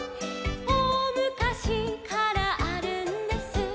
「おおむかしからあるんです」